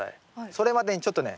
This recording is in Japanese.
それまでにちょっとね